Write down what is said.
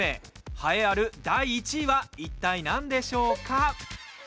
栄えある第１位はいったい、なんでしょうか？